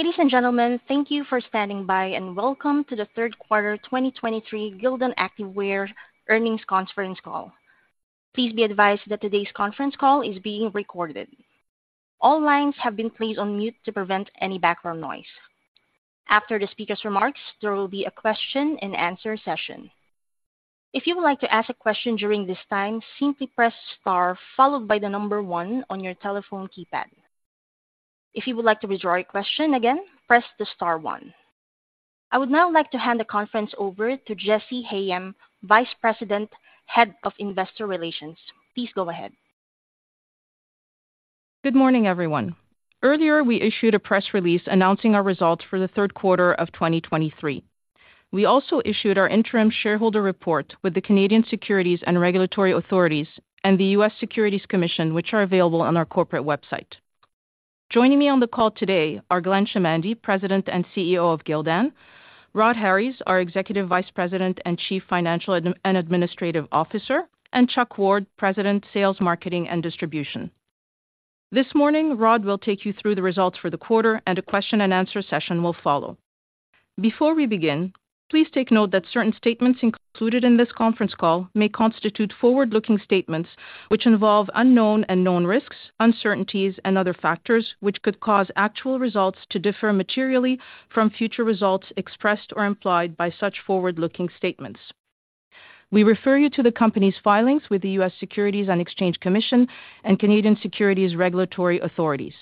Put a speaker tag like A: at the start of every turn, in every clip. A: Ladies and gentlemen, thank you for standing by, and welcome to the third quarter 2023 Gildan Activewear earnings conference call. Please be advised that today's conference call is being recorded. All lines have been placed on mute to prevent any background noise. After the speaker's remarks, there will be a question and answer session. If you would like to ask a question during this time, simply press star followed by the number one on your telephone keypad. If you would like to withdraw your question again, press the star one. I would now like to hand the conference over to Jessy Hayem, Vice President, Head of Investor Relations. Please go ahead.
B: Good morning, everyone. Earlier, we issued a press release announcing our results for the third quarter of 2023. We also issued our interim shareholder report with the Canadian securities and regulatory authorities and the U.S. Securities and Exchange Commission, which are available on our corporate website. Joining me on the call today are Glenn Chamandy, President and CEO of Gildan; Rhodri Harries, our Executive Vice President and Chief Financial and Administrative Officer; and Chuck Ward, President, Sales, Marketing, and Distribution. This morning, Rhodri will take you through the results for the quarter and a question and answer session will follow. Before we begin, please take note that certain statements included in this conference call may constitute forward-looking statements which involve unknown and known risks, uncertainties, and other factors which could cause actual results to differ materially from future results expressed or implied by such forward-looking statements. We refer you to the company's filings with the U.S. Securities and Exchange Commission and Canadian Securities Regulatory Authorities.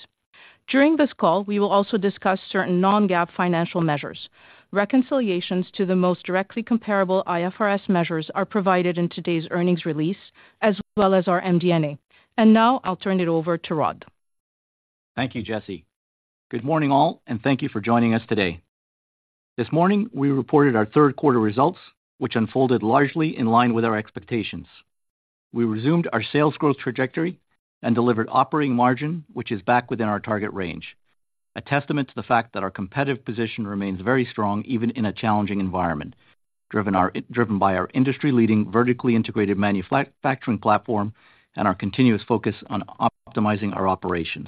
B: During this call, we will also discuss certain non-GAAP financial measures. Reconciliations to the most directly comparable IFRS measures are provided in today's earnings release as well as our MD&A. Now I'll turn it over to Rod.
C: Thank you, Jessy. Good morning, all, and thank you for joining us today. This morning, we reported our third quarter results, which unfolded largely in line with our expectations. We resumed our sales growth trajectory and delivered operating margin, which is back within our target range. A testament to the fact that our competitive position remains very strong, even in a challenging environment, driven by our industry-leading, vertically integrated manufacturing platform and our continuous focus on optimizing our operations.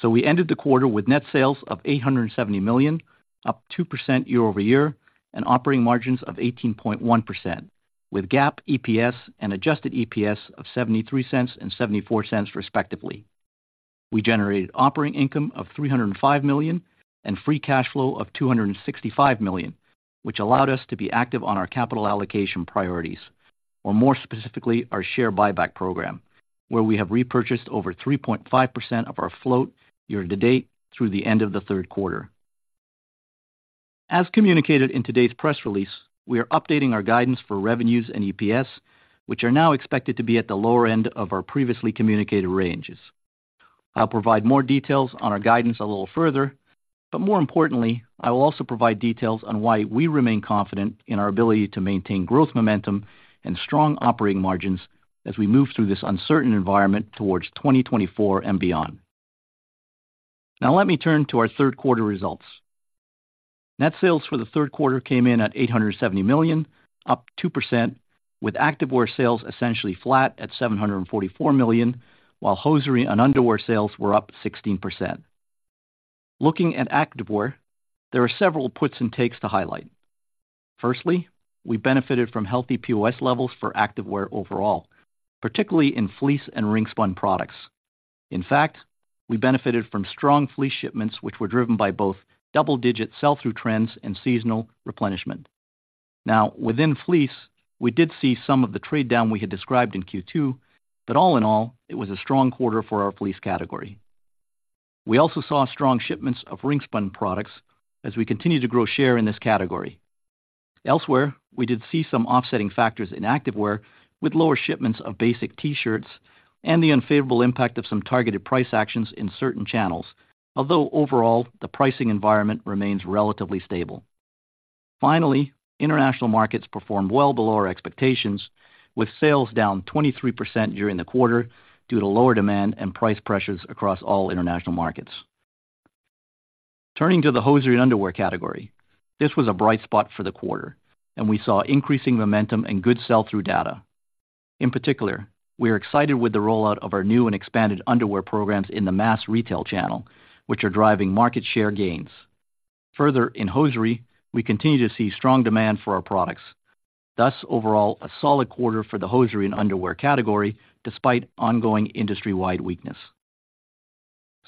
C: So we ended the quarter with net sales of $870 million, up 2% year-over-year, and operating margins of 18.1%, with GAAP EPS and adjusted EPS of $0.73 and $0.74 respectively. We generated operating income of $305 million and free cash flow of $265 million, which allowed us to be active on our capital allocation priorities, or more specifically, our share buyback program, where we have repurchased over 3.5% of our float year to date through the end of the third quarter. As communicated in today's press release, we are updating our guidance for revenues and EPS, which are now expected to be at the lower end of our previously communicated ranges. I'll provide more details on our guidance a little further, but more importantly, I will also provide details on why we remain confident in our ability to maintain growth, momentum, and strong operating margins as we move through this uncertain environment towards 2024 and beyond. Now let me turn to our third quarter results. Net sales for the third quarter came in at $870 million, up 2%, with Activewear sales essentially flat at $744 million, while Hosiery and Underwear sales were up 16%. Looking at Activewear, there are several puts and takes to highlight. Firstly, we benefited from healthy POS levels for Activewear overall, particularly in fleece and ring-spun products. In fact, we benefited from strong fleece shipments, which were driven by both double-digit sell-through trends and seasonal replenishment. Now, within fleece, we did see some of the trade down we had described in Q2, but all in all, it was a strong quarter for our fleece category. We also saw strong shipments of ring-spun products as we continue to grow share in this category. Elsewhere, we did see some offsetting factors in Activewear with lower shipments of basic T-shirts and the unfavorable impact of some targeted price actions in certain channels, although overall, the pricing environment remains relatively stable. Finally, international markets performed well below our expectations, with sales down 23% during the quarter due to lower demand and price pressures across all international markets. Turning to the Hosiery and Underwear category, this was a bright spot for the quarter, and we saw increasing momentum and good sell-through data. In particular, we are excited with the rollout of our new and expanded underwear programs in the mass retail channel, which are driving market share gains. Further, in hosiery, we continue to see strong demand for our products, thus overall, a solid quarter for the Hosiery and Underwear category, despite ongoing industry-wide weakness.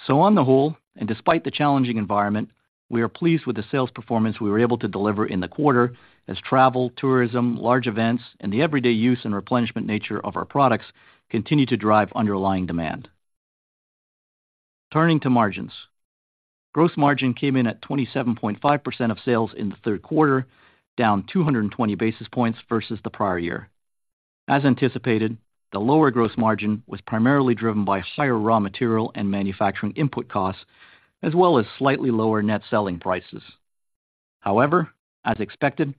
C: On the whole, and despite the challenging environment, we are pleased with the sales performance we were able to deliver in the quarter as travel, tourism, large events, and the everyday use and replenishment nature of our products continue to drive underlying demand. Turning to margins. Gross margin came in at 27.5% of sales in the third quarter, down 220 basis points versus the prior year. As anticipated, the lower gross margin was primarily driven by higher raw material and manufacturing input costs, as well as slightly lower net selling prices. However, as expected,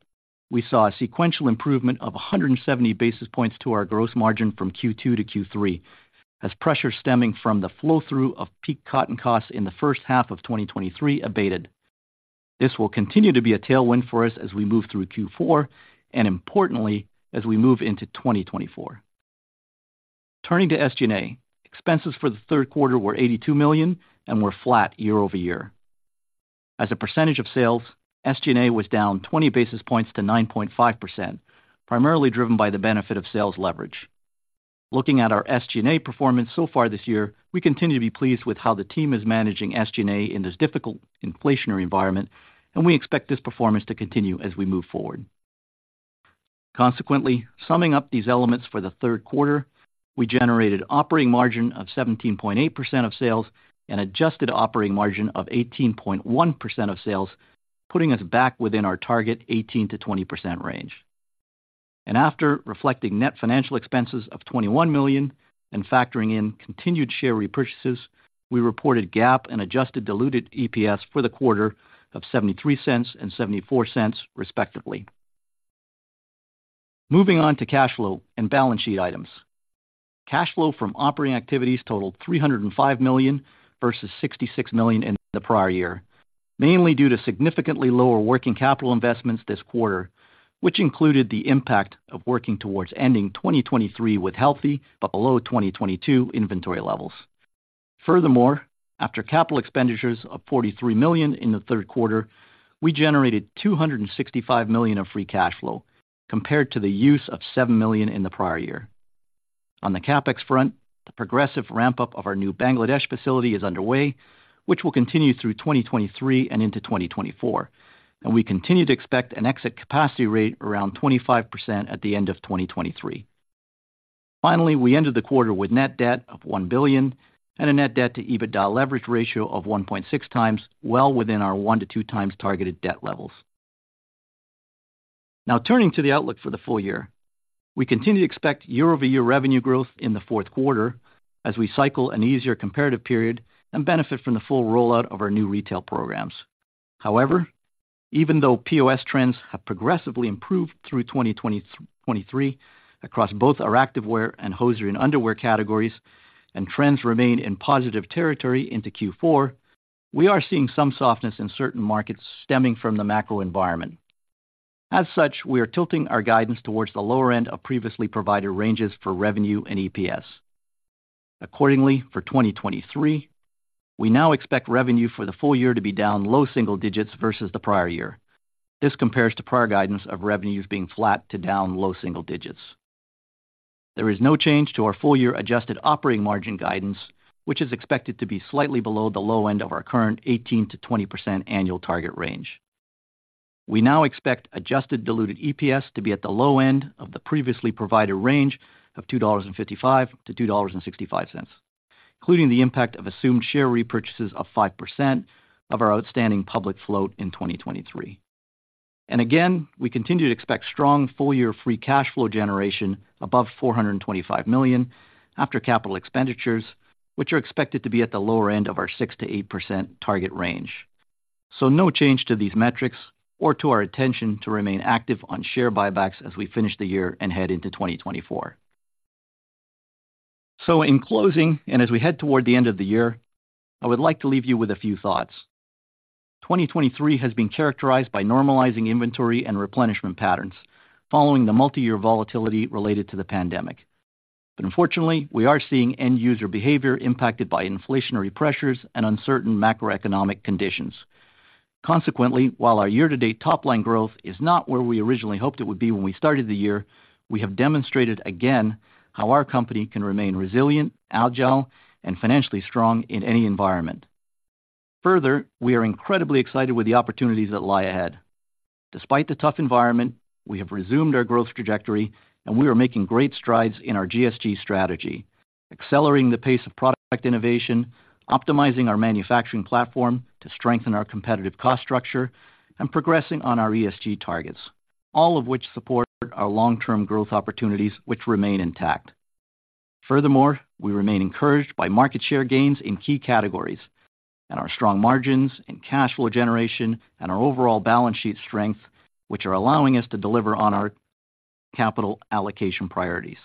C: we saw a sequential improvement of 170 basis points to our gross margin from Q2 to Q3, as pressure stemming from the flow-through of peak cotton costs in the first half of 2023 abated. This will continue to be a tailwind for us as we move through Q4 and, importantly, as we move into 2024. Turning to SG&A. Expenses for the third quarter were $82 million and were flat year-over-year. As a percentage of sales, SG&A was down 20 basis points to 9.5%, primarily driven by the benefit of sales leverage. Looking at our SG&A performance so far this year, we continue to be pleased with how the team is managing SG&A in this difficult inflationary environment, and we expect this performance to continue as we move forward. Consequently, summing up these elements for the third quarter, we generated operating margin of 17.8% of sales and adjusted operating margin of 18.1% of sales, putting us back within our target 18%-20% range. After reflecting net financial expenses of $21 million and factoring in continued share repurchases, we reported GAAP and adjusted diluted EPS for the quarter of $0.73 and $0.74, respectively. Moving on to cash flow and balance sheet items. Cash flow from operating activities totaled $305 million versus $66 million in the prior year, mainly due to significantly lower working capital investments this quarter, which included the impact of working towards ending 2023 with healthy but below 2022 inventory levels. Furthermore, after capital expenditures of $43 million in the third quarter, we generated $265 million of free cash flow, compared to the use of $7 million in the prior year. On the CapEx front, the progressive ramp-up of our new Bangladesh facility is underway, which will continue through 2023 and into 2024, and we continue to expect an exit capacity rate around 25% at the end of 2023. Finally, we ended the quarter with net debt of $1 billion and a net debt to EBITDA leverage ratio of 1.6 times, well within our one-two times targeted debt levels. Now, turning to the outlook for the full year. We continue to expect year-over-year revenue growth in the fourth quarter as we cycle an easier comparative period and benefit from the full rollout of our new retail programs. However, even though POS trends have progressively improved through 2023 across both our activewear and hosiery and underwear categories, and trends remain in positive territory into Q4, we are seeing some softness in certain markets stemming from the macro environment. As such, we are tilting our guidance towards the lower end of previously provided ranges for revenue and EPS. Accordingly, for 2023, we now expect revenue for the full year to be down low single digits versus the prior year. This compares to prior guidance of revenues being flat to down low single digits. There is no change to our full year adjusted operating margin guidance, which is expected to be slightly below the low end of our current 18%-20% annual target range. We now expect adjusted diluted EPS to be at the low end of the previously provided range of $2.55-$2.65, including the impact of assumed share repurchases of 5% of our outstanding public float in 2023. And again, we continue to expect strong full-year free cash flow generation above $425 million after capital expenditures, which are expected to be at the lower end of our 6%-8% target range. So no change to these metrics or to our attention to remain active on share buybacks as we finish the year and head into 2024. So in closing, and as we head toward the end of the year, I would like to leave you with a few thoughts. 2023 has been characterized by normalizing inventory and replenishment patterns following the multi-year volatility related to the pandemic. But unfortunately, we are seeing end user behavior impacted by inflationary pressures and uncertain macroeconomic conditions. Consequently, while our year-to-date top-line growth is not where we originally hoped it would be when we started the year, we have demonstrated again how our company can remain resilient, agile, and financially strong in any environment. Further, we are incredibly excited with the opportunities that lie ahead. Despite the tough environment, we have resumed our growth trajectory, and we are making great strides in our GSG strategy, accelerating the pace of product innovation, optimizing our manufacturing platform to strengthen our competitive cost structure, and progressing on our ESG targets, all of which support our long-term growth opportunities, which remain intact. Furthermore, we remain encouraged by market share gains in key categories and our strong margins and cash flow generation and our overall balance sheet strength, which are allowing us to deliver on our capital allocation priorities.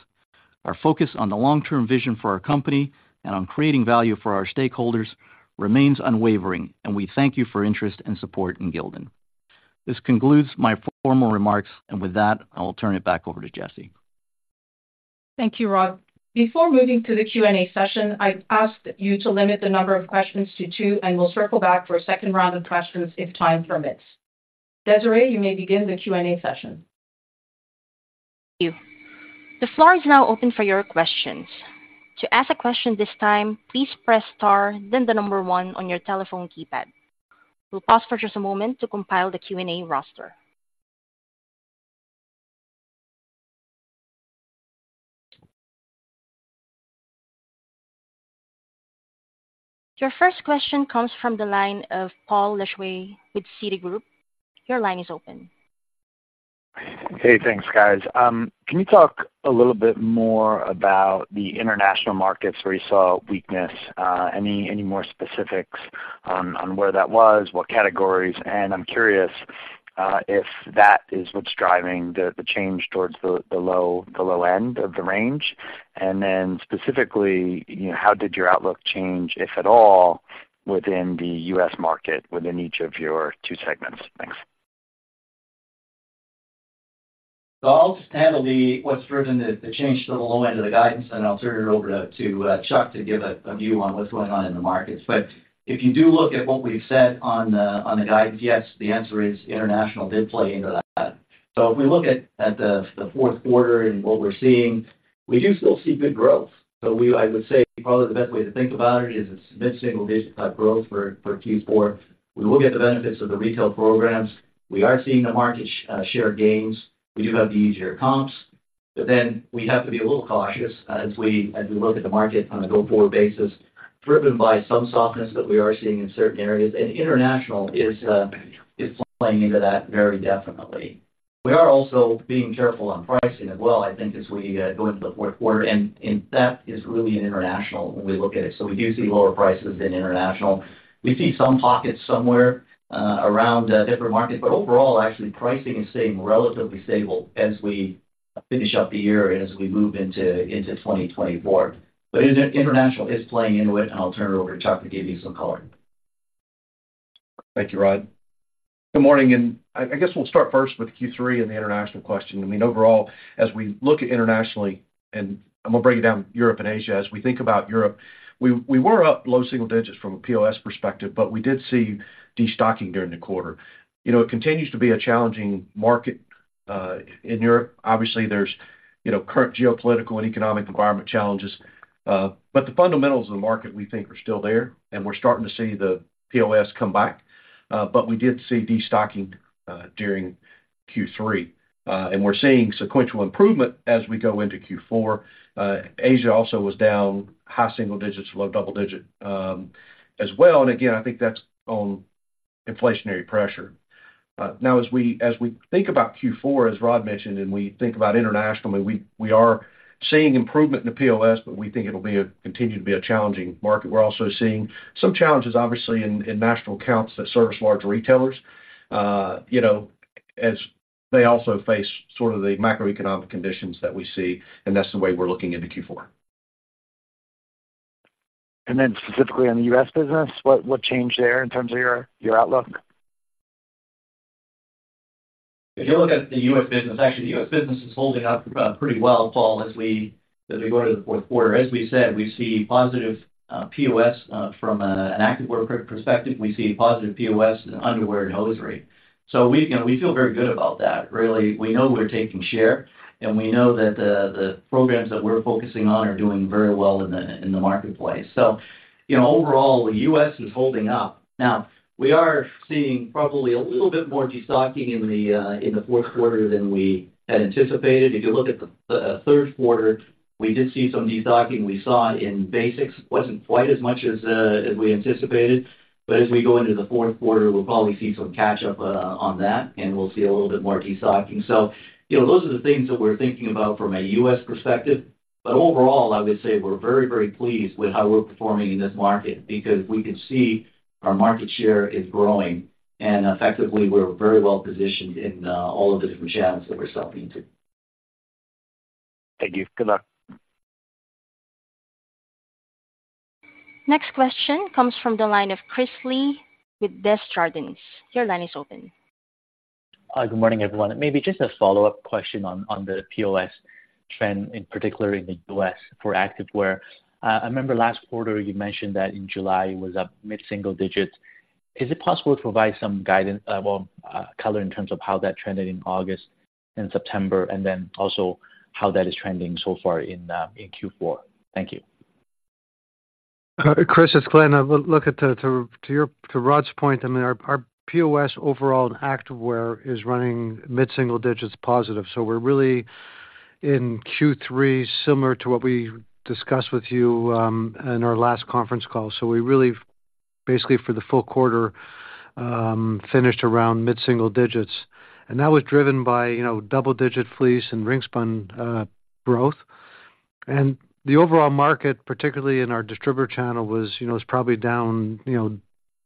C: Our focus on the long-term vision for our company and on creating value for our stakeholders remains unwavering, and we thank you for interest and support in Gildan. This concludes my formal remarks, and with that, I'll turn it back over to Jessy.
B: Thank you, Rod. Before moving to the Q&A session, I'd ask you to limit the number of questions to two, and we'll circle back for a second round of questions if time permits. Desiree, you may begin the Q&A session.
A: Thank you. The floor is now open for your questions. To ask a question this time, please press star, then the number one on your telephone keypad. We'll pause for just a moment to compile the Q&A roster. Your first question comes from the line of Paul Lejuez with Citigroup. Your line is open.
D: Hey, thanks, guys. Can you talk a little bit more about the international markets where you saw weakness? Any more specifics on where that was, what categories? And I'm curious if that is what's driving the change towards the low end of the range. And then specifically, you know, how did your outlook change, if at all, within the U.S. market, within each of your two segments? Thanks....
C: So I'll just handle the what's driven the change to the low end of the guidance, then I'll turn it over to Chuck to give a view on what's going on in the markets. But if you do look at what we've said on the guidance, yes, the answer is international did play into that. So if we look at the fourth quarter and what we're seeing, we do still see good growth. So I would say probably the best way to think about it is it's mid-single-digit type growth for Q4. We will get the benefits of the retail programs. We are seeing the market share gains. We do have the easier comps, but then we have to be a little cautious as we look at the market on a go-forward basis, driven by some softness that we are seeing in certain areas. And international is playing into that very definitely. We are also being careful on pricing as well, I think, as we go into the fourth quarter, and that is really in international when we look at it. So we do see lower prices in international. We see some pockets somewhere around different markets, but overall, actually, pricing is staying relatively stable as we finish up the year and as we move into 2024. But international is playing into it, and I'll turn it over to Chuck to give you some color.
E: Thank you, Rod. Good morning, and I guess we'll start first with Q3 and the international question. I mean, overall, as we look internationally, and I'm gonna break it down, Europe and Asia. As we think about Europe, we were up low single digits from a POS perspective, but we did see destocking during the quarter. You know, it continues to be a challenging market in Europe. Obviously, there's, you know, current geopolitical and economic environment challenges, but the fundamentals of the market we think are still there, and we're starting to see the POS come back. But we did see destocking during Q3. And we're seeing sequential improvement as we go into Q4. Asia also was down high single digits, low double digit, as well. And again, I think that's on inflationary pressure. Now as we think about Q4, as Rod mentioned, and we think about internationally, we are seeing improvement in the POS, but we think it'll continue to be a challenging market. We're also seeing some challenges, obviously, in national accounts that service large retailers, you know, as they also face sort of the macroeconomic conditions that we see, and that's the way we're looking into Q4.
D: Specifically on the U.S. business, what changed there in terms of your outlook?
C: If you look at the U.S. business, actually, the U.S. business is holding up pretty well, Paul, as we go to the fourth quarter. As we said, we see positive POS from an activewear perspective. We see positive POS in underwear and hosiery. So we, you know, we feel very good about that. Really, we know we're taking share, and we know that the programs that we're focusing on are doing very well in the marketplace. So you know, overall, the U.S. is holding up. Now, we are seeing probably a little bit more destocking in the fourth quarter than we had anticipated. If you look at the third quarter, we did see some destocking. We saw it in basics. It wasn't quite as much as we anticipated, but as we go into the fourth quarter, we'll probably see some catch up on that, and we'll see a little bit more destocking. So you know, those are the things that we're thinking about from a U.S. perspective. But overall, I would say we're very, very pleased with how we're performing in this market, because we can see our market share is growing, and effectively, we're very well positioned in all of the different channels that we're selling to.
D: Thank you. Good luck.
A: Next question comes from the line of Chris Li with Desjardins. Your line is open.
F: Good morning, everyone. Maybe just a follow-up question on the POS trend, in particular in the U.S., for activewear. I remember last quarter you mentioned that in July it was up mid single digits. Is it possible to provide some guidance, well, color in terms of how that trended in August and September, and then also how that is trending so far in Q4? Thank you.
G: Chris, it's Glenn. I look at the—to your—to Rod's point, I mean, our POS overall in activewear is running mid single digits positive, so we're really in Q3, similar to what we discussed with you in our last conference call. We really, basically, for the full quarter, finished around mid single digits, and that was driven by, you know, double digit fleece and ring-spun growth. The overall market, particularly in our distributor channel, was probably down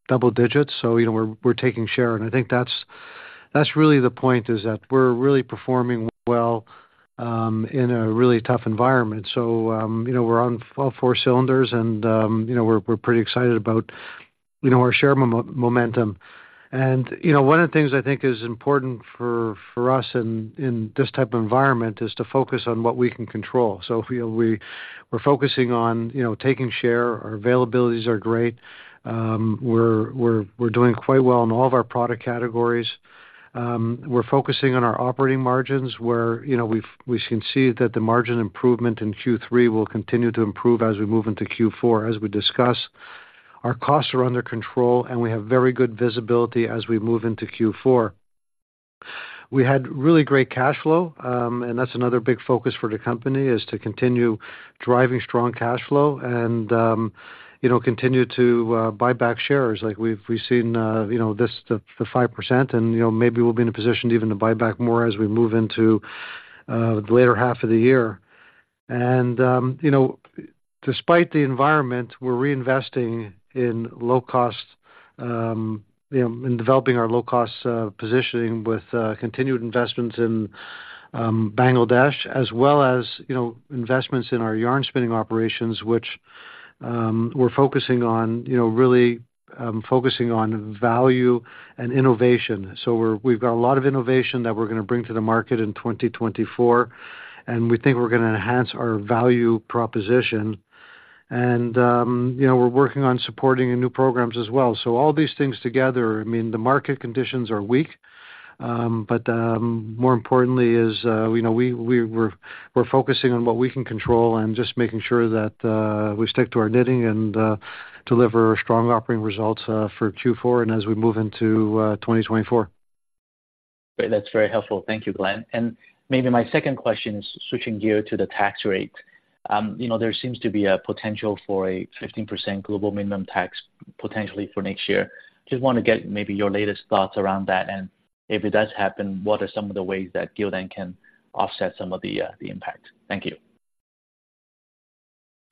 G: double digits. You know, we're taking share, and I think that's really the point, is that we're really performing well in a really tough environment. You know, we're on all four cylinders and, you know, we're pretty excited about our share momentum. You know, one of the things I think is important for us in this type of environment is to focus on what we can control. So we're focusing on, you know, taking share. Our availabilities are great. We're doing quite well in all of our product categories. We're focusing on our operating margins, where, you know, we can see that the margin improvement in Q3 will continue to improve as we move into Q4. As we discussed, our costs are under control, and we have very good visibility as we move into Q4. We had really great cash flow, and that's another big focus for the company, is to continue driving strong cash flow and, you know, continue to buy back shares. Like we've seen, you know, this 5%, and, you know, maybe we'll be in a position even to buy back more as we move into the latter half of the year. And, you know, despite the environment, we're reinvesting in low cost, you know, in developing our low cost positioning with continued investments in Bangladesh, as well as, you know, investments in our yarn spinning operations, which we're focusing on, you know, really focusing on value and innovation. So we've got a lot of innovation that we're gonna bring to the market in 2024, and we think we're gonna enhance our value proposition. And, you know, we're working on supporting new programs as well. So all these things together, I mean, the market conditions are weak, but more importantly is, you know, we're focusing on what we can control and just making sure that we stick to our knitting and deliver strong operating results for Q4 and as we move into 2024.
F: Great. That's very helpful. Thank you, Glenn. Maybe my second question is switching gear to the tax rate. You know, there seems to be a potential for a 15% global minimum tax potentially for next year. Just wanna get maybe your latest thoughts around that, and if it does happen, what are some of the ways that Gildan can offset some of the, the impact? Thank you.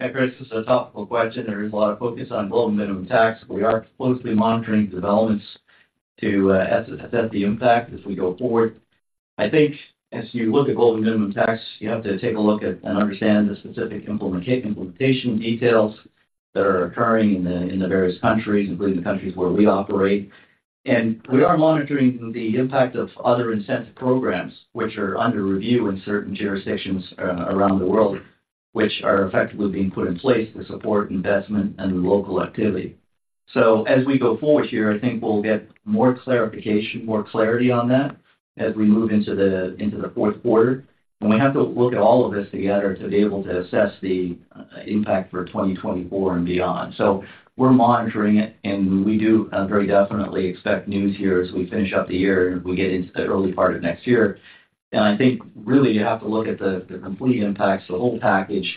C: Hey, Chris, this is a topical question. There is a lot of focus on global minimum tax. We are closely monitoring developments to assess the impact as we go forward. I think as you look at global minimum tax, you have to take a look at and understand the specific implementation details that are occurring in the various countries, including the countries where we operate. And we are monitoring the impact of other incentive programs, which are under review in certain jurisdictions around the world, which are effectively being put in place to support investment and local activity. So as we go forward here, I think we'll get more clarification, more clarity on that as we move into the fourth quarter. And we have to look at all of this together to be able to assess the impact for 2024 and beyond. So we're monitoring it, and we do very definitely expect news here as we finish up the year and we get into the early part of next year. And I think really you have to look at the complete impacts, the whole package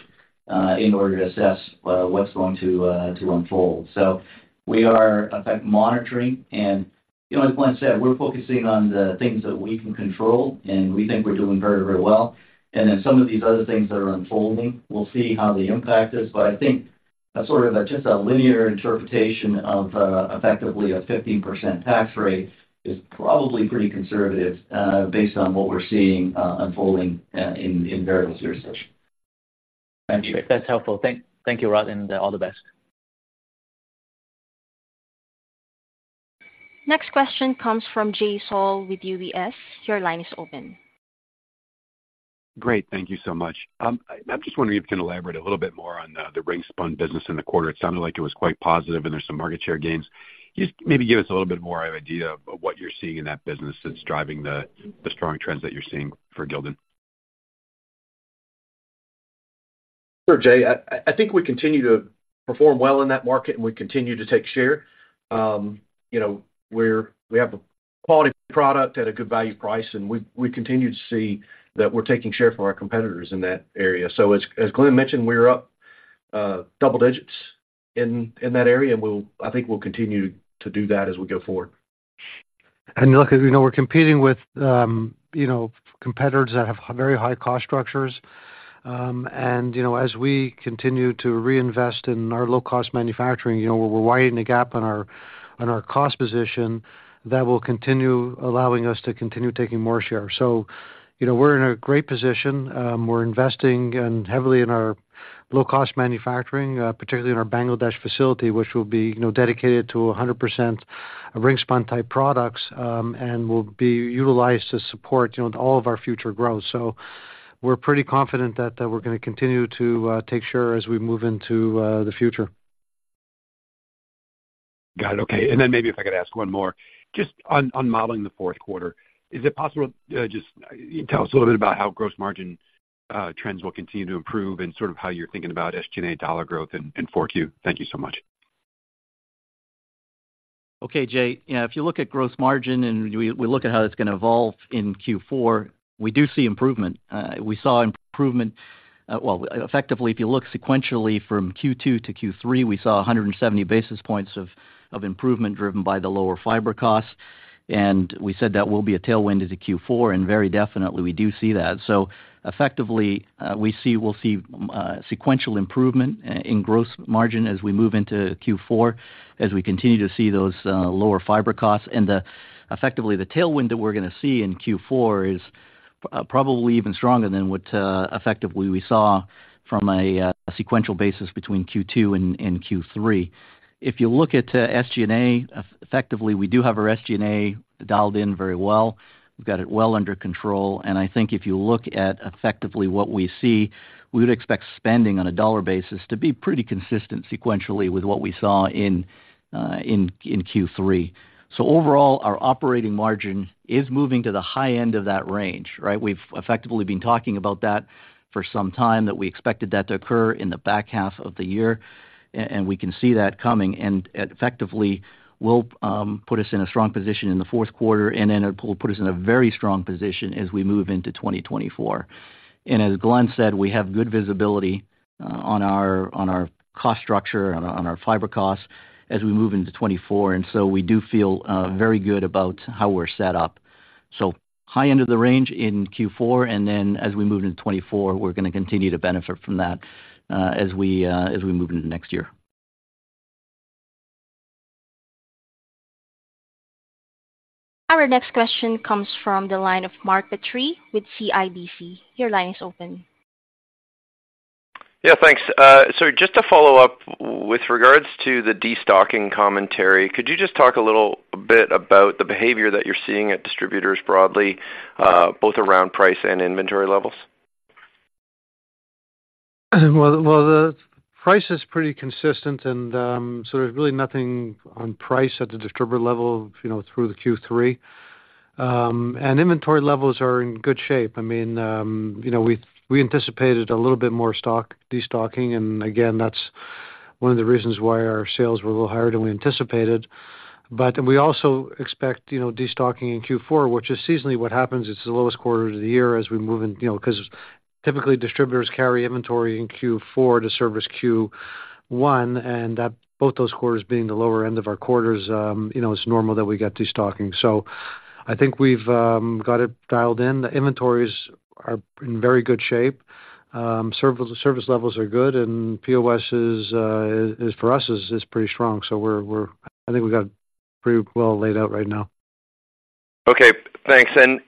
C: in order to assess what's going to unfold. So we are, in fact, monitoring. And, you know, as Glenn said, we're focusing on the things that we can control, and we think we're doing very, very well. And then some of these other things that are unfolding, we'll see how the impact is. But I think a sort of a, just a linear interpretation of effectively a 15% tax rate is probably pretty conservative, based on what we're seeing unfolding in various jurisdictions.
F: Thank you. That's helpful. Thank you, Rod, and all the best.
A: Next question comes from Jay Sole with UBS. Your line is open.
H: Great. Thank you so much. I'm just wondering if you can elaborate a little bit more on the ring-spun business in the quarter. It sounded like it was quite positive, and there's some market share gains. Just maybe give us a little bit more of an idea of what you're seeing in that business that's driving the strong trends that you're seeing for Gildan.
E: Sure, Jay. I think we continue to perform well in that market, and we continue to take share. You know, we have a quality product at a good value price, and we continue to see that we're taking share from our competitors in that area. So as Glenn mentioned, we're up double digits in that area, and I think we'll continue to do that as we go forward.
G: Look, as you know, we're competing with, you know, competitors that have very high cost structures. And, you know, as we continue to reinvest in our low-cost manufacturing, you know, we're widening the gap on our, on our cost position. That will continue allowing us to continue taking more share. So, you know, we're in a great position. We're investing heavily in our low-cost manufacturing, particularly in our Bangladesh facility, which will be, you know, dedicated to 100% ring-spun type products, and will be utilized to support, you know, all of our future growth. So we're pretty confident that we're gonna continue to take share as we move into the future.
H: Got it. Okay, and then maybe if I could ask one more. Just on modeling the fourth quarter, is it possible to just tell us a little bit about how gross margin trends will continue to improve and sort of how you're thinking about SG&A dollar growth in 4Q? Thank you so much.
C: Okay, Jay. Yeah, if you look at gross margin and we look at how it's gonna evolve in Q4, we do see improvement. We saw improvement, well, effectively, if you look sequentially from Q2 to Q3, we saw 100 basis points of improvement driven by the lower fiber costs, and we said that will be a tailwind into Q4, and very definitely we do see that. So effectively, we'll see sequential improvement in gross margin as we move into Q4, as we continue to see those lower fiber costs. And effectively, the tailwind that we're gonna see in Q4 is probably even stronger than what effectively we saw from a sequential basis between Q2 and Q3. If you look at SG&A, effectively, we do have our SG&A dialed in very well. We've got it well under control, and I think if you look at effectively what we see, we would expect spending on a dollar basis to be pretty consistent sequentially with what we saw in Q3. So overall, our operating margin is moving to the high end of that range, right? We've effectively been talking about that for some time, that we expected that to occur in the back half of the year, and we can see that coming. And effectively will put us in a strong position in the fourth quarter, and then it will put us in a very strong position as we move into 2024. As Glenn said, we have good visibility on our cost structure, on our fiber costs as we move into 2024, and so we do feel very good about how we're set up. So high end of the range in Q4, and then as we move into 2024, we're gonna continue to benefit from that as we move into next year.
A: Our next question comes from the line of Mark Petrie with CIBC. Your line is open.
I: Yeah, thanks. So just to follow up with regards to the destocking commentary, could you just talk a little bit about the behavior that you're seeing at distributors broadly, both around price and inventory levels?
G: Well, well, the price is pretty consistent and, so there's really nothing on price at the distributor level, you know, through the Q3. And inventory levels are in good shape. I mean, you know, we anticipated a little bit more stock destocking, and again, that's one of the reasons why our sales were a little higher than we anticipated. But we also expect, you know, destocking in Q4, which is seasonally what happens. It's the lowest quarter of the year as we move in, you know, 'cause typically distributors carry inventory in Q4 to service Q1, and both those quarters being the lower end of our quarters, you know, it's normal that we get destocking. So I think we've got it dialed in. The inventories are in very good shape. Service levels are good, and POS is for us pretty strong. So we're... I think we've got pretty well laid out right now.
I: Okay, thanks. And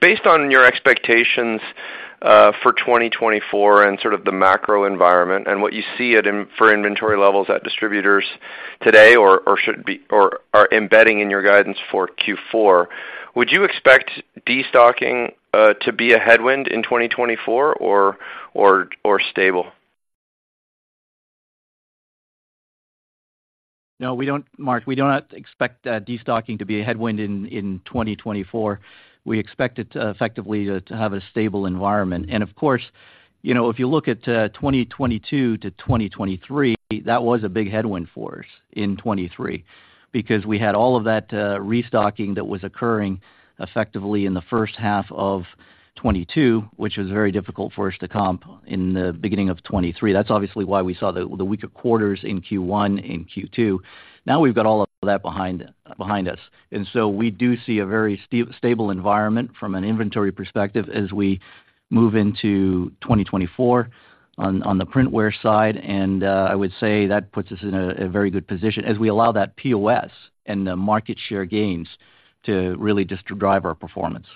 I: based on your expectations for 2024 and sort of the macro environment and what you see in inventory levels at distributors today or should be or are embedding in your guidance for Q4, would you expect destocking to be a headwind in 2024 or stable?
C: No, we don't, Mark, we do not expect destocking to be a headwind in 2024. We expect it to effectively have a stable environment. And of course, you know, if you look at 2022 to 2023, that was a big headwind for us in 2023, because we had all of that restocking that was occurring effectively in the first half of 2022, which was very difficult for us to comp in the beginning of 2023. That's obviously why we saw the weaker quarters in Q1 and Q2. Now we've got all of that behind us, and so we do see a very stable environment from an inventory perspective as we move into 2024 on the printwear side. I would say that puts us in a very good position as we allow that POS and the market share gains to really just drive our performance.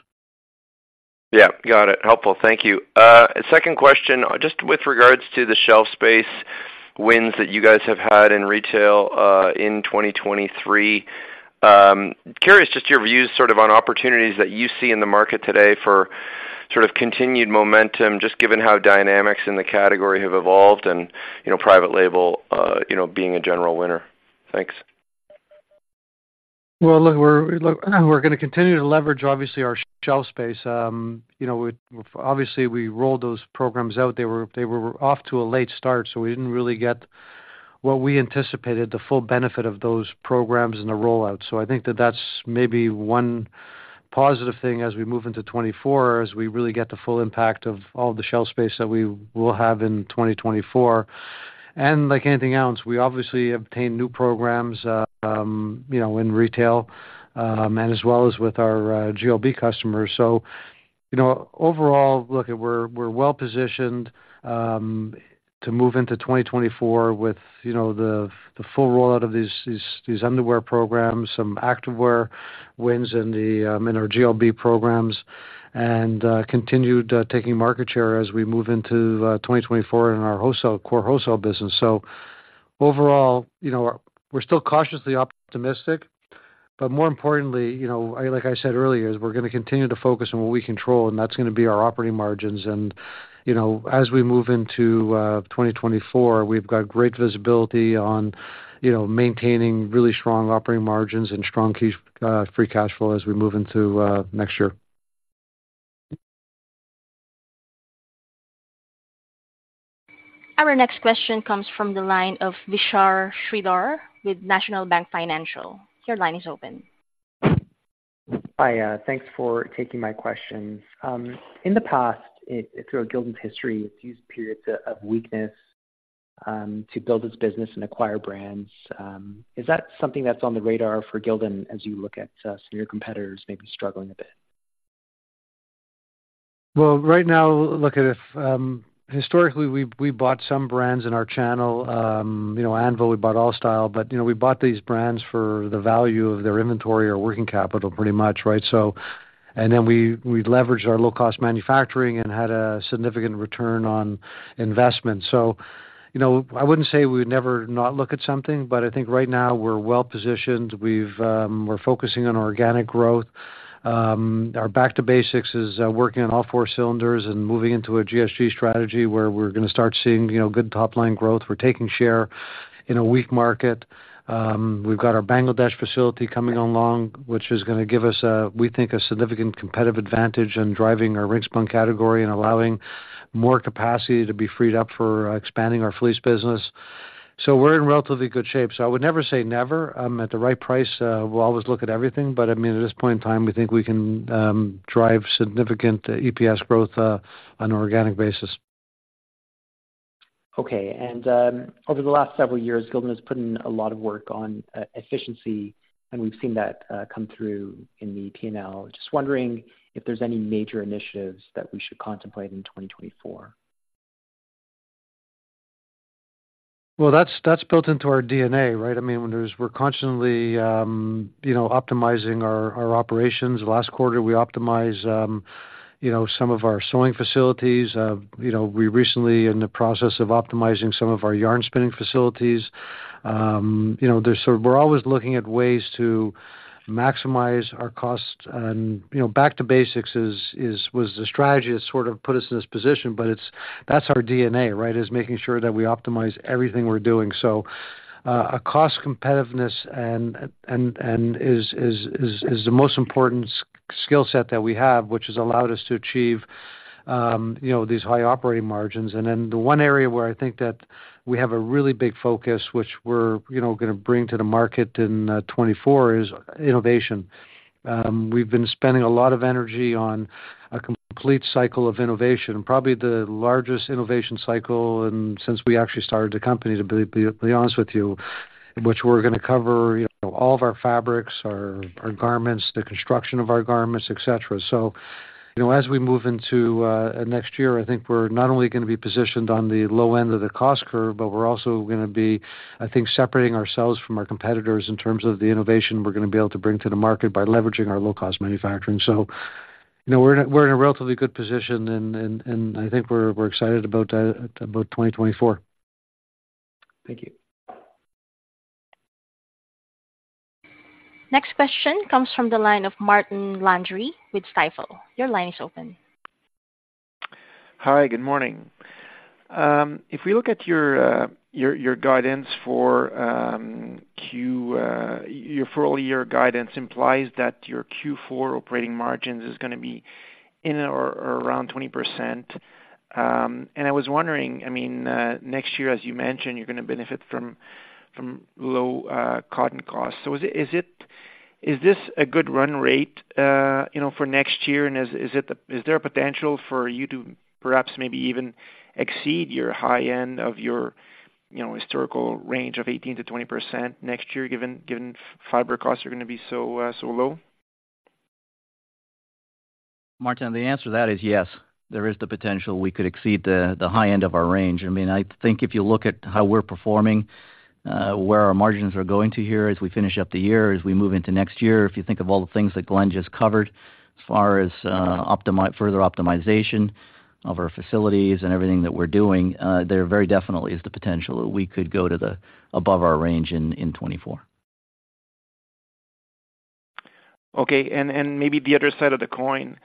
I: Yeah. Got it. Helpful. Thank you. Second question, just with regards to the shelf space wins that you guys have had in retail, in 2023. Curious just your views sort of on opportunities that you see in the market today for sort of continued momentum, just given how dynamics in the category have evolved and, you know, private label, you know, being a general winner. Thanks.
G: Well, look, we're, look, we're gonna continue to leverage obviously, our shelf space. You know, obviously, we rolled those programs out. They were, they were off to a late start, so we didn't really get what we anticipated, the full benefit of those programs and the rollout. So I think that that's maybe one positive thing as we move into 2024, as we really get the full impact of all the shelf space that we will have in 2024. And like anything else, we obviously obtain new programs, you know, in retail, and as well as with our, GLB customers. So, you know, overall, look, we're, we're well positioned, to move into 2024 with, you know, the, the full rollout of these, these, these underwear programs, some activewear wins in the, in our GLB programs. continued taking market share as we move into 2024 in our wholesale core wholesale business. So overall, you know, we're still cautiously optimistic. But more importantly, you know, like I said earlier, is we're gonna continue to focus on what we control, and that's gonna be our operating margins. And, you know, as we move into 2024, we've got great visibility on, you know, maintaining really strong operating margins and strong key free cash flow as we move into next year.
A: Our next question comes from the line of Vishal Shreedhar with National Bank Financial. Your line is open.
J: Hi, thanks for taking my questions. In the past, through Gildan's history, it's used periods of weakness to build its business and acquire brands. Is that something that's on the radar for Gildan as you look at some of your competitors maybe struggling a bit?
G: Well, right now, look, if historically, we've, we bought some brands in our channel, you know, Anvil, we bought Alstyle, but, you know, we bought these brands for the value of their inventory or working capital, pretty much, right? So, and then we, we leveraged our low-cost manufacturing and had a significant return on investment. So, you know, I wouldn't say we would never not look at something, but I think right now we're well positioned. We've, we're focusing on organic growth. Our Back to Basics is working on all four cylinders and moving into a GSG strategy, where we're gonna start seeing, you know, good top-line growth. We're taking share in a weak market. We've got our Bangladesh facility coming along, which is gonna give us a, we think, a significant competitive advantage in driving our ring-spun category and allowing more capacity to be freed up for expanding our fleece business. So we're in relatively good shape. So I would never say never. At the right price, we'll always look at everything. But I mean, at this point in time, we think we can drive significant EPS growth on an organic basis.
J: Okay. And, over the last several years, Gildan has put in a lot of work on efficiency, and we've seen that come through in the P&L. Just wondering if there's any major initiatives that we should contemplate in 2024?
G: ...Well, that's built into our DNA, right? I mean, when there's, we're constantly, you know, optimizing our operations. Last quarter, we optimized, you know, some of our sewing facilities. You know, we recently in the process of optimizing some of our yarn spinning facilities. You know, there's sort of, we're always looking at ways to maximize our costs and, you know, Back to Basics is, was the strategy that sort of put us in this position, but it's, that's our DNA, right? Is making sure that we optimize everything we're doing. So, a cost competitiveness and is the most important skill set that we have, which has allowed us to achieve, you know, these high operating margins. And then the one area where I think that we have a really big focus, which we're, you know, gonna bring to the market in 2024, is innovation. We've been spending a lot of energy on a complete cycle of innovation, probably the largest innovation cycle since we actually started the company, to be honest with you, which we're gonna cover, you know, all of our fabrics, our garments, the construction of our garments, et cetera. So, you know, as we move into next year, I think we're not only gonna be positioned on the low end of the cost curve, but we're also gonna be, I think, separating ourselves from our competitors in terms of the innovation we're gonna be able to bring to the market by leveraging our low-cost manufacturing. So, you know, we're in a relatively good position and I think we're excited about 2024.
J: Thank you.
A: Next question comes from the line of Martin Landry with Stifel. Your line is open.
K: Hi, good morning. If we look at your, your guidance for, your full year guidance implies that your Q4 operating margins is gonna be in or around 20%. And I was wondering, I mean, next year, as you mentioned, you're gonna benefit from, from low cotton costs. So is it, is it... Is this a good run rate, you know, for next year? And is, is it the, is there a potential for you to perhaps maybe even exceed your high end of your, you know, historical range of 18%-20% next year, given, given fiber costs are gonna be so, so low?
C: Martin, the answer to that is yes, there is the potential we could exceed the high end of our range. I mean, I think if you look at how we're performing, where our margins are going to here as we finish up the year, as we move into next year. If you think of all the things that Glenn just covered as far as further optimization of our facilities and everything that we're doing, there very definitely is the potential that we could go to the above our range in 2024.
K: Okay. And maybe the other side of the coin,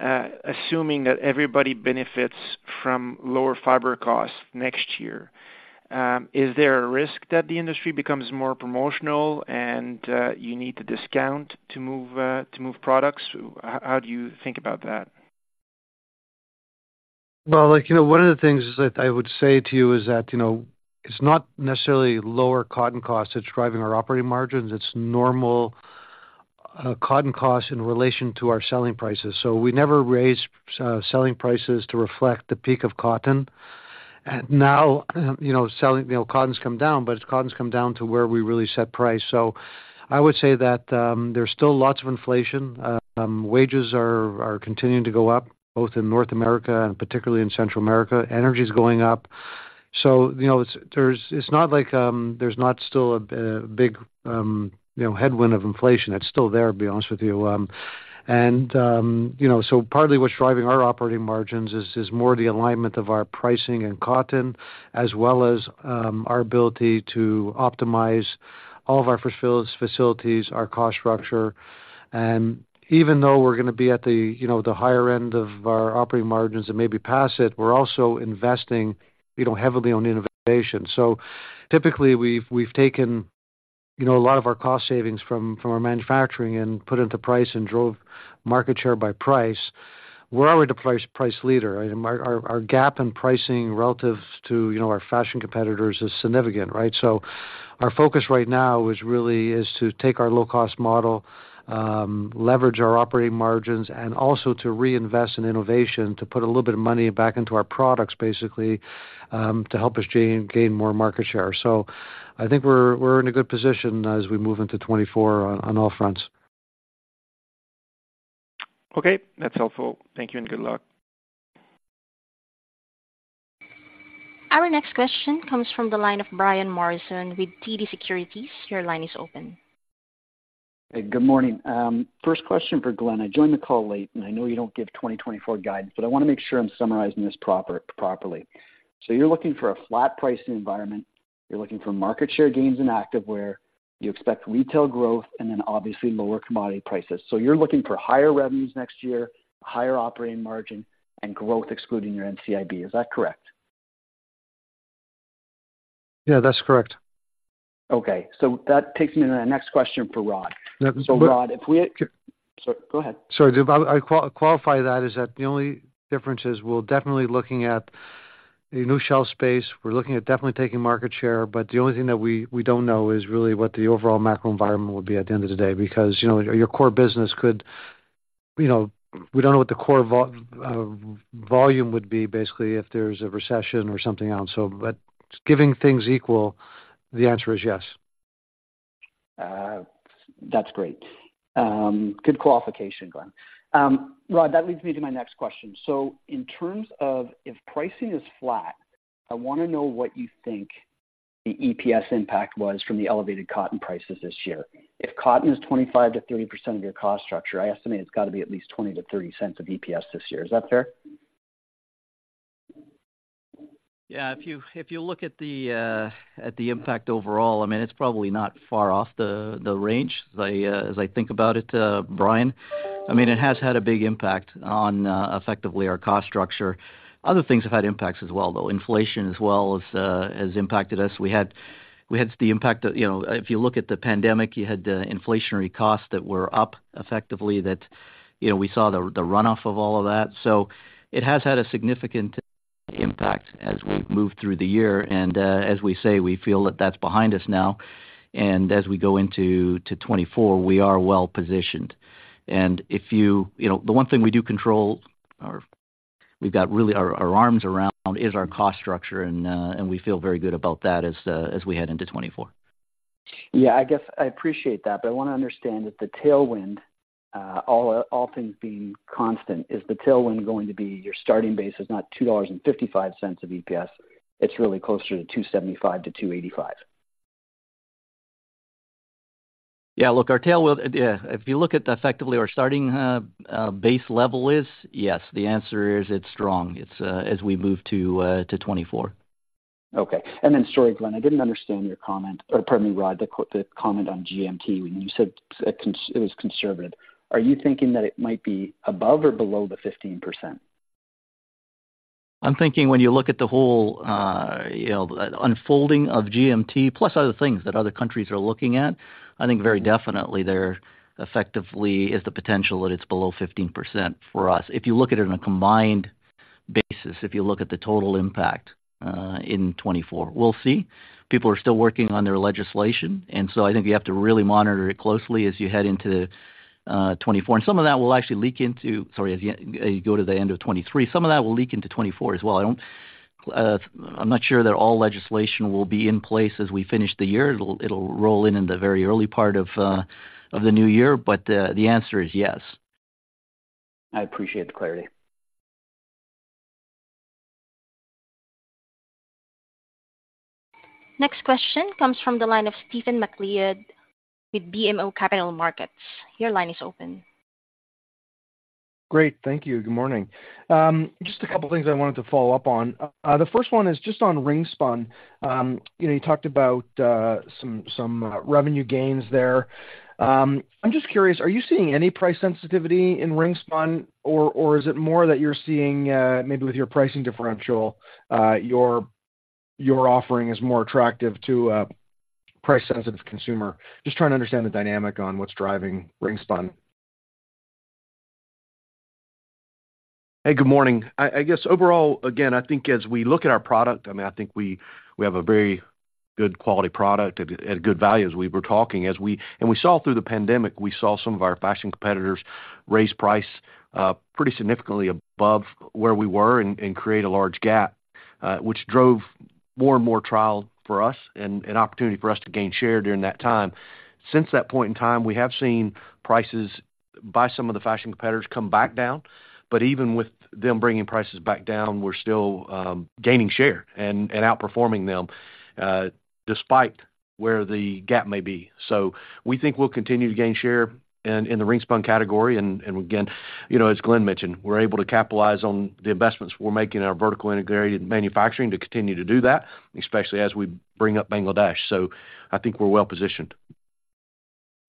K: assuming that everybody benefits from lower fiber costs next year, is there a risk that the industry becomes more promotional and you need to discount to move products? How do you think about that?
G: Well, like, you know, one of the things that I would say to you is that, you know, it's not necessarily lower cotton costs that's driving our operating margins. It's normal, cotton costs in relation to our selling prices. So we never raised selling prices to reflect the peak of cotton. And now, you know, cotton's come down, but cotton's come down to where we really set price. So I would say that, there's still lots of inflation. Wages are continuing to go up, both in North America and particularly in Central America. Energy is going up. So, you know, it's not like, there's not still a big, you know, headwind of inflation. It's still there, to be honest with you. And, you know, so partly what's driving our operating margins is more the alignment of our pricing and cotton, as well as, our ability to optimize all of our facilities, our cost structure. Even though we're gonna be at the, you know, the higher end of our operating margins and maybe pass it, we're also investing, you know, heavily on innovation. So typically, we've taken, you know, a lot of our cost savings from our manufacturing and put into price and drove market share by price. We're already the price leader, and our gap in pricing relative to, you know, our fashion competitors is significant, right? So our focus right now is really is to take our low-cost model, leverage our operating margins, and also to reinvest in innovation, to put a little bit of money back into our products, basically, to help us gain, gain more market share. So I think we're, we're in a good position as we move into 2024 on, on all fronts.
K: Okay, that's helpful. Thank you and good luck.
A: Our next question comes from the line of Brian Morrison with TD Securities. Your line is open.
L: Hey, good morning. First question for Glenn. I joined the call late, and I know you don't give 2024 guidance, but I wanna make sure I'm summarizing this properly. So you're looking for a flat pricing environment. You're looking for market share gains in activewear. You expect retail growth and then obviously lower commodity prices. So you're looking for higher revenues next year, higher operating margin, and growth excluding your NCIB. Is that correct?
G: Yeah, that's correct. Okay, so that takes me to the next question for Rod. Yeah, but- Rod, if we... Sorry, go ahead. Sorry. I qualify that. Is that the only difference? We're definitely looking at a new shelf space. We're looking at definitely taking market share, but the only thing that we, we don't know is really what the overall macro environment will be at the end of the day, because, you know, your core business could, you know... We don't know what the core volume would be, basically, if there's a recession or something else, so, but giving things equal, the answer is yes.... That's great. Good qualification, Glenn. Rod, that leads me to my next question. So in terms of if pricing is flat, I wanna know what you think the EPS impact was from the elevated cotton prices this year. If cotton is 25%-30% of your cost structure, I estimate it's got to be at least $0.20-$0.30 of EPS this year. Is that fair?
C: Yeah. If you look at the impact overall, I mean, it's probably not far off the range as I think about it, Brian. I mean, it has had a big impact on effectively our cost structure. Other things have had impacts as well, though. Inflation as well as has impacted us. We had the impact of... You know, if you look at the pandemic, you had the inflationary costs that were up effectively, that, you know, we saw the runoff of all of that. So it has had a significant impact as we've moved through the year. And, as we say, we feel that that's behind us now, and as we go into 2024, we are well positioned. You know, the one thing we do control or we've got really our arms around is our cost structure, and we feel very good about that as we head into 2024.
L: Yeah, I guess I appreciate that, but I wanna understand that the tailwind, all things being constant, is the tailwind going to be your starting base is not $2.55 of EPS, it's really closer to $2.75-$2.85?
C: Yeah, look, our tailwind, if you look at effectively our starting base level is, yes, the answer is it's strong. It's as we move to 2024.
L: Okay. And then, sorry, Glenn, I didn't understand your comment, or pardon me, Rhodri, the comment on GMT when you said it was conservative. Are you thinking that it might be above or below the 15%?
C: I'm thinking when you look at the whole, you know, unfolding of GMT plus other things that other countries are looking at, I think very definitely there effectively is the potential that it's below 15% for us. If you look at it on a combined basis, if you look at the total impact, in 2024. We'll see. People are still working on their legislation, and so I think you have to really monitor it closely as you head into, 2024. And some of that will actually leak into—sorry, as you, as you go to the end of 2023. Some of that will leak into 2024 as well. I don't, I'm not sure that all legislation will be in place as we finish the year. It'll, it'll roll in in the very early part of, of the new year. The answer is yes.
L: I appreciate the clarity.
A: Next question comes from the line of Stephen MacLeod with BMO Capital Markets. Your line is open.
M: Great. Thank you. Good morning. Just a couple of things I wanted to follow up on. The first one is just on ring-spun. You know, you talked about some revenue gains there. I'm just curious, are you seeing any price sensitivity in ring-spun? Or is it more that you're seeing maybe with your pricing differential, your offering is more attractive to a price-sensitive consumer? Just trying to understand the dynamic on what's driving ring-spun.
E: Hey, good morning. I guess overall, again, I think as we look at our product, I mean, I think we have a very good quality product at good value as we were talking. As we saw through the pandemic, we saw some of our fashion competitors raise price pretty significantly above where we were and create a large gap, which drove more and more trial for us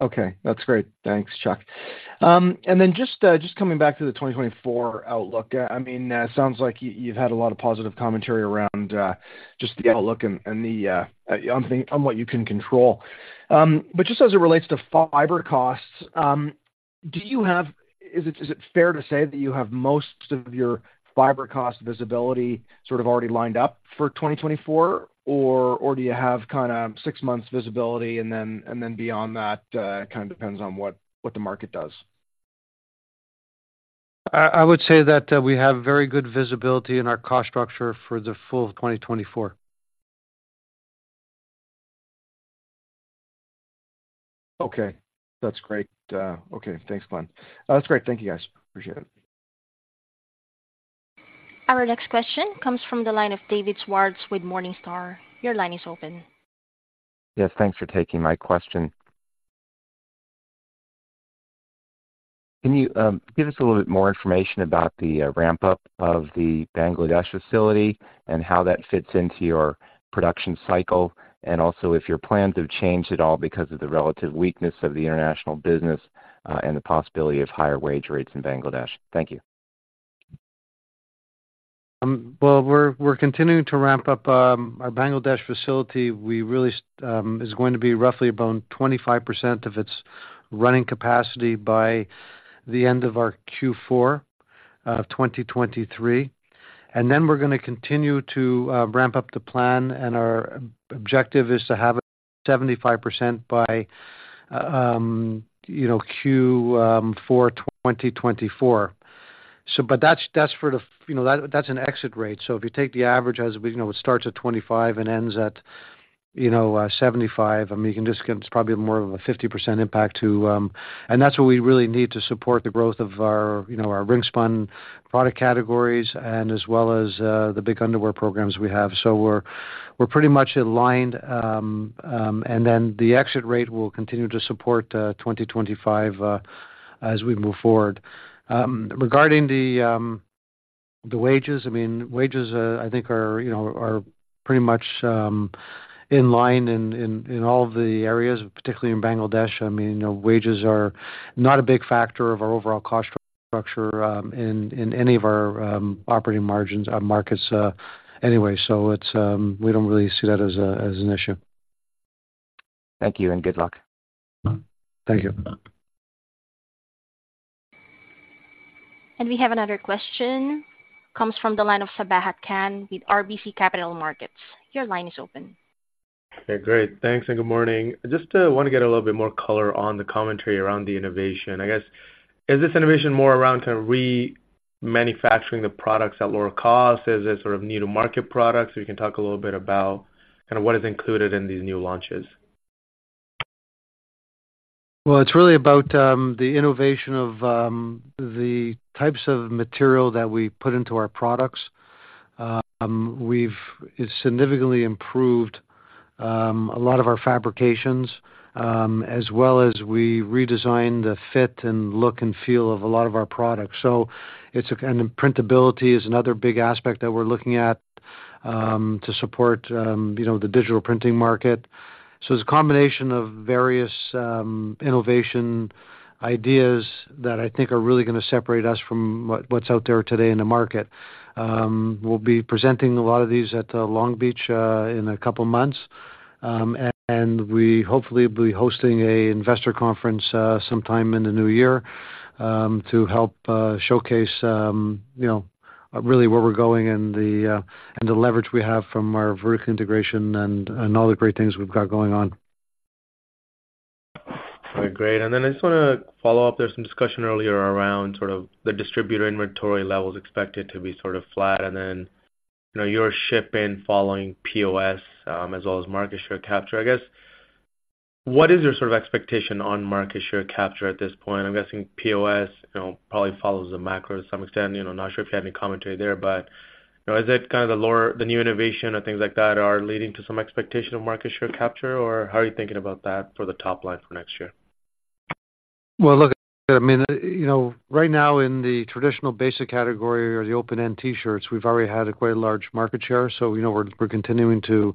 M: Okay. That's great. Thanks, Chuck. And then just coming back to the 2024 outlook, I mean, it sounds like you, you've had a lot of positive commentary around just the outlook and the on thing. On what you can control. But just as it relates to fiber costs, do you have - is it fair to say that you have most of your fiber cost visibility sort of already lined up for 2024? Or do you have kinda six months visibility and then beyond that it kinda depends on what the market does?
C: I would say that, we have very good visibility in our cost structure for the full 2024.
M: Okay. That's great. Okay. Thanks, Glenn. That's great. Thank you, guys. Appreciate it.
A: Our next question comes from the line of David Swartz with Morningstar. Your line is open.
N: Yes, thanks for taking my question. Can you give us a little bit more information about the ramp-up of the Bangladesh facility and how that fits into your production cycle? And also, if your plans have changed at all because of the relative weakness of the international business and the possibility of higher wage rates in Bangladesh? Thank you.
C: Well, we're continuing to ramp up our Bangladesh facility. We really is going to be roughly around 25% of its running capacity by the end of our Q4 2023. And then we're gonna continue to ramp up the plan, and our objective is to have 75% by, you know, Q4 2024....
G: So but that's for the, you know, that's an exit rate. So if you take the average as we know, it starts at 25 and ends at, you know, 75, I mean, you can just get probably more of a 50% impact to... And that's what we really need to support the growth of our, you know, our ring-spun product categories and as well as the big underwear programs we have. So we're pretty much aligned. And then the exit rate will continue to support 2025 as we move forward. Regarding the wages, I mean, wages I think are, you know, are pretty much in line in all the areas, particularly in Bangladesh. I mean, you know, wages are not a big factor of our overall cost structure in any of our operating markets anyway. So, we don't really see that as an issue.
N: Thank you, and good luck.
G: Thank you.
A: We have another question. Comes from the line of Sabahat Khan with RBC Capital Markets. Your line is open.
O: Okay, great. Thanks, and good morning. Just want to get a little bit more color on the commentary around the innovation. I guess, is this innovation more around kind of remanufacturing the products at lower cost? Is it sort of new to market products? So you can talk a little bit about kind of what is included in these new launches.
G: Well, it's really about the innovation of the types of material that we put into our products. We've significantly improved a lot of our fabrications, as well as we redesigned the fit and look and feel of a lot of our products. So it's a and printability is another big aspect that we're looking at to support you know the digital printing market. So it's a combination of various innovation ideas that I think are really gonna separate us from what what's out there today in the market. We'll be presenting a lot of these at Long Beach in a couple of months. We hopefully will be hosting an investor conference sometime in the new year to help showcase, you know, really where we're going and the leverage we have from our vertical integration and all the great things we've got going on.
O: All right, great. And then I just wanna follow up. There's some discussion earlier around sort of the distributor inventory levels expected to be sort of flat, and then, you know, your shipping following POS, as well as market share capture. I guess, what is your sort of expectation on market share capture at this point? I'm guessing POS, you know, probably follows the macro to some extent. You know, not sure if you have any commentary there, but, you know, is it kind of the new innovation or things like that are leading to some expectation of market share capture, or how are you thinking about that for the top line for next year?
G: Well, look, I mean, you know, right now in the traditional basic category or the open-end T-shirts, we've already had a quite large market share, so we know we're, we're continuing to,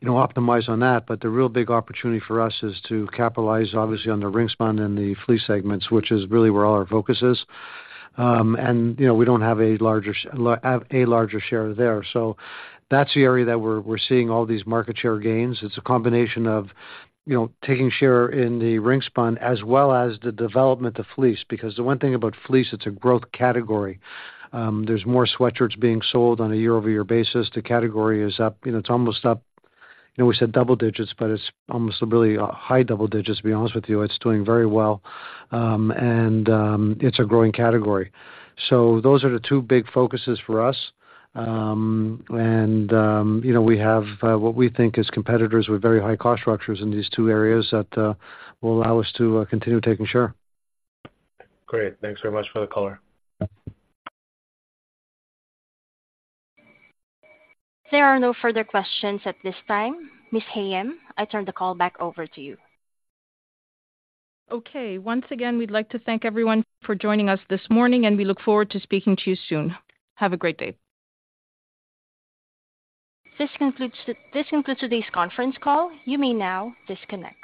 G: you know, optimize on that. But the real big opportunity for us is to capitalize, obviously, on the ring-spun and the fleece segments, which is really where all our focus is. And, you know, we don't have a larger share there. So that's the area that we're, we're seeing all these market share gains. It's a combination of, you know, taking share in the ring-spun as well as the development of fleece, because the one thing about fleece, it's a growth category. There's more sweatshirts being sold on a year-over-year basis. The category is up, you know, it's almost up, you know, we said double digits, but it's almost really high double digits, to be honest with you. It's doing very well. It's a growing category. So those are the two big focuses for us. You know, we have what we think is competitors with very high cost structures in these two areas that will allow us to continue taking share.
O: Great. Thanks very much for the color.
A: There are no further questions at this time. Ms. Hayem, I turn the call back over to you.
B: Okay. Once again, we'd like to thank everyone for joining us this morning, and we look forward to speaking to you soon. Have a great day.
A: This concludes today's conference call. You may now disconnect.